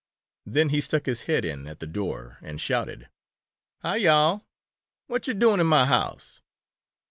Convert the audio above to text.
Then he stuck his head in at the door and shouted: "Hi, yo'all! What yo' doing in mah house?"